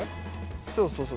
そうそうそう。